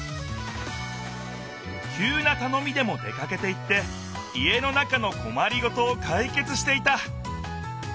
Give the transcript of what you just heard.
きゅうなたのみでも出かけていって家の中のこまりごとをかいけつしていた。